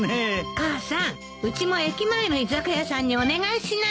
母さんうちも駅前の居酒屋さんにお願いしない？